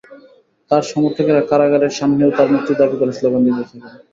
তাঁর সমর্থকেরা কারাগারের সামনেও তাঁর মুক্তি দাবি করে স্লোগান দিতে থাকেন।